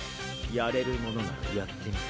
やれるものならやってみろ。